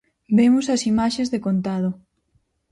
Vemos as imaxes de contado.